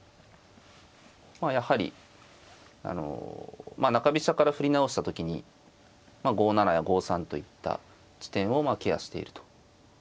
まあやはりあの中飛車から振り直した時に５七や５三といった地点をケアしていると。